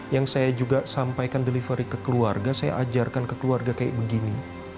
yang saya juga sampaikan delivery ke keluarga saya ajarkan ke keluarga kayak begini